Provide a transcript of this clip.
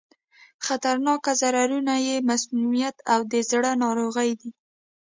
خطرناک ضررونه یې مسمومیت او د زړه ناروغي دي.